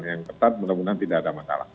yang ketat mudah mudahan tidak ada masalah